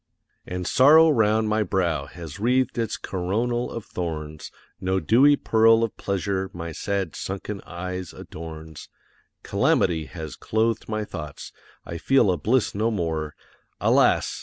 And Sorrow round my brow has wreathed its coronal of thorns; No dewy pearl of Pleasure my sad sunken eyes adorns; Calamity has clothed my thoughts, I feel a bliss no more, Alas!